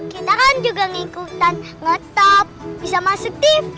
kita kan juga ngikutan ngetop bisa masuk tim